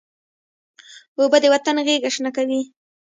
اوبه د وطن غیږه شنه کوي.